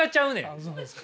あそうですか。